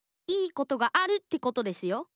いいことがあるってことですよ。